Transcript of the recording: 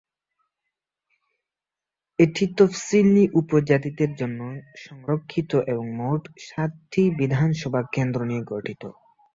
এটি তফসিলী উপজাতিদের জন্য সংরক্ষিত এবং মোট সাতটি বিধানসভা কেন্দ্র নিয়ে গঠিত।